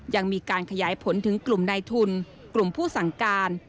ยังมีการขยายผลถึงกลุ่มในทุนกลุ่มผู้สั่งการ